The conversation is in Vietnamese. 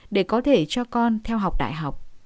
để có thể cho con theo học đại học